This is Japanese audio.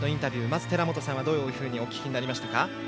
まず寺本さんはどういうふうにお聞きになりましたか？